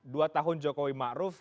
dua tahun jokowi ma'ruf